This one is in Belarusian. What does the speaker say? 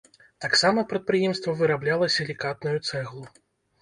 Таксама прадпрыемства вырабляла сілікатную цэглу.